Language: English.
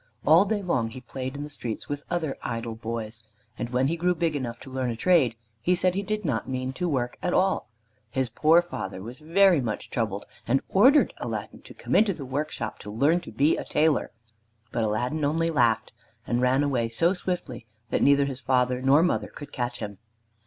All day long he played in the streets with other idle boys, and when he grew big enough to learn a trade he said he did not mean to work at all. His poor father was very much troubled, and ordered Aladdin to come to the workshop to learn to be a tailor, but Aladdin only laughed, and ran away so swiftly that neither his father nor mother could catch him.